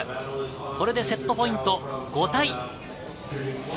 これでセットポイント、５対３。